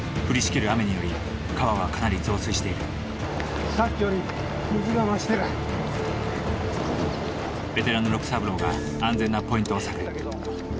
降りしきる雨により川はかなり増水しているベテランの六三郎が安全なポイントを探る。